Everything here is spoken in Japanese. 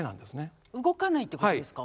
動かないってことですか？